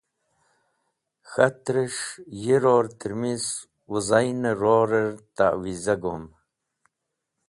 K̃hatrẽs̃h yi ror tẽrmis wezaynẽ rorẽr tẽwiza gom.